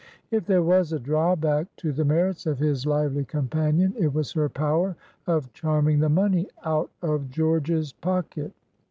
If there was a drawback to the merits of his lively companion, it was her power of charming the money out of George's pocket.